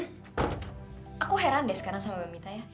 aku heran deh sekarang sama mbak mita ya